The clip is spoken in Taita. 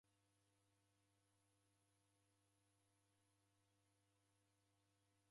Oka na gambili mbaha